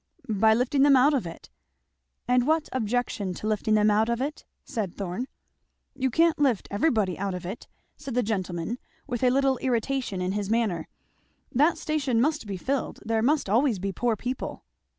"By lifting them out of it." "And what objection to lifting them out of it?" said Thorn. "You can't lift everybody out of it," said the gentleman with a little irritation in his manner, "that station must be filled there must always be poor people."